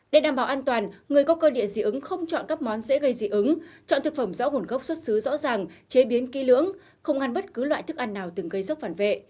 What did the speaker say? để đảm bảo an toàn người có cơ địa dị ứng không chọn các món dễ gây dị ứng chọn thực phẩm rõ nguồn gốc xuất xứ rõ ràng chế biến kỹ lưỡng không ăn bất cứ loại thức ăn nào từng gây sốc phản vệ